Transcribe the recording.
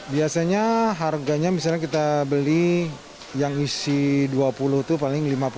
biasanya harganya misalnya kita beli yang isi dua puluh itu paling lima puluh